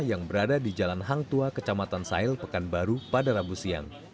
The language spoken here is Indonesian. yang berada di jalan hangtua kecamatan sail pekanbaru pada rabu siang